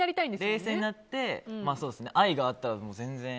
冷静になって愛があったら全然。